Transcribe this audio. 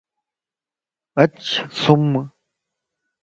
اچ سُمَ